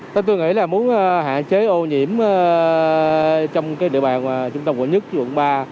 tôi nghĩ là muốn hạn chế ô nhiễm trong địa bàn trung tâm quận một quận ba